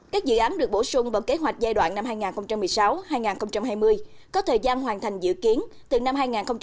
các dự án được bổ sung bằng kế hoạch giai đoạn năm hai nghìn một mươi sáu hai nghìn hai mươi có thời gian hoàn thành dự kiến từ năm hai nghìn hai mươi hai nghìn hai mươi năm